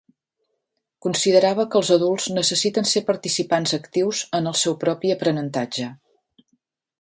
Considerava que els adults necessiten ser participants actius en el seu propi aprenentatge.